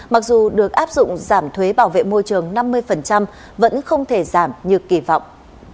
mặc dù được áp dụng giảm thuế bảo vệ môi trường năm mươi vẫn không thể giảm như kỳ vọng